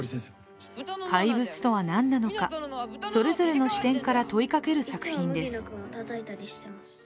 「怪物」とはなんなのかそれぞれの視点から問いかける作品です。